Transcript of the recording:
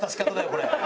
これ。